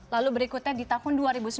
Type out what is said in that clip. lalu berikutnya di tahun dua ribu sembilan belas